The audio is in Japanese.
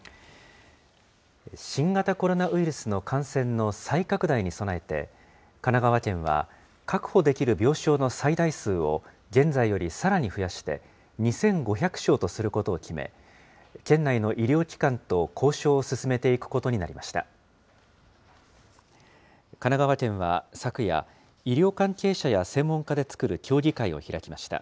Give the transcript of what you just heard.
新型コロナウイルスの感染の再拡大に備えて、神奈川県は、確保できる病床の最大数を現在よりさらに増やして、２５００床とすることを決め、県内の医療機関と交渉を進めていくことになりました。